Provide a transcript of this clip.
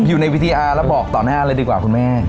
อยู่ในวิทยาแล้วบอกต่อหน้าเลยดีกว่าคุณแม่